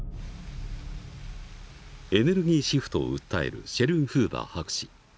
エネルギーシフトを訴えるシェルンフーバー博士。